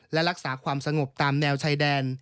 และรักษาความสงบตามแนวชายแดน